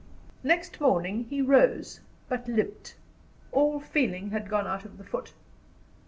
Next morning he rose, but limped; all feeling had gone out of the foot.